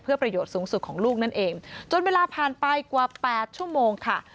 ประโยชน์สูงสุดของลูกนั่นเองจนเวลาผ่านไปกว่า๘ชั่วโมงค่ะ